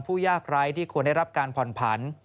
ยากไร้ที่ควรได้รับการผ่อนผัน